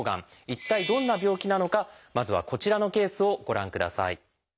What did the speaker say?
一体どんな病気なのかまずはこちらのケースをご覧ください。